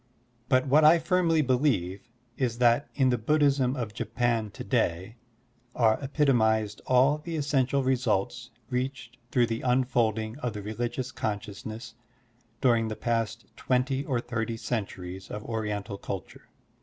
But what I firmly believe is that in the Buddhism of Japan to day are epitomized all the essential results reached through the unfolding of the religious conscious ness during the past twenty or thirty centuries of Oriental culture.